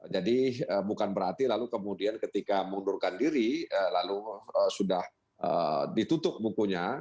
jadi bukan berarti lalu kemudian ketika mundurkan diri lalu sudah ditutup bukunya